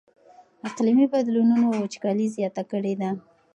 اقلیمي بدلونونو وچکالي زیاته کړې ده.